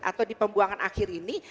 atau di pembuangan akhir ini